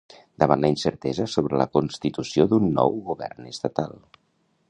davant la incertesa sobre la constitució d'un nou govern estatal